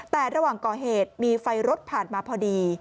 แต่ระหว่างก่อเหตุมีไฟรถผ่านมาพอดี